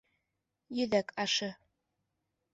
Йөҙәк ашы